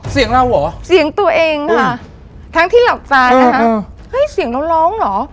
เสียงเราเหรอเสียงตัวเองค่ะทั้งที่หลับตานะคะเฮ้ยเสียงเราร้องเหรอ